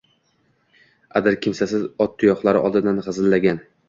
Adir kimsasiz ot tuyoqlari oldidan g‘izillagan